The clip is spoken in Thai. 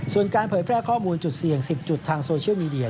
ส่วนการเผยแพร่ข้อมูลจุดเสี่ยง๑๐จุดทางโซเชียลมีเดีย